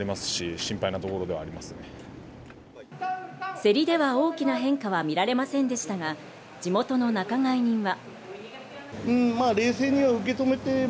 競りでは大きな変化は見られませんでしたが、地元の仲買人は。